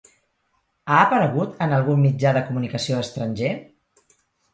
Ha aparegut en algun mitjà de comunicació estranger?